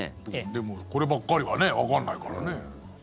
でもこればっかりはねわかんないからね。